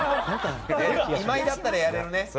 今井だったらやれるね。